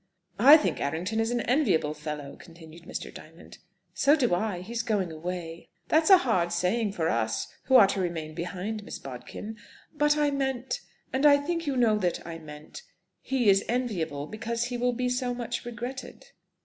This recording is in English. "I think Errington is an enviable fellow," continued Mr. Diamond. "So do I. He is going away." "That's a hard saying for us, who are to remain behind, Miss Bodkin! But I meant and I think you know that I meant he is enviable because he will be so much regretted."